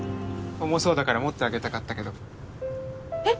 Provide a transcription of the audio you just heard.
重そうだから持ってあげたかったけどえっ